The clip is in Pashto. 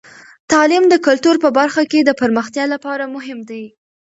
تعلیم د کلتور په برخه کې د پرمختیا لپاره مهم دی.